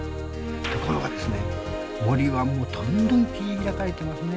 ところがですね森はどんどん切り開かれていますね。